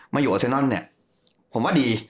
อยู่โอเซนอนเนี่ยผมว่าดี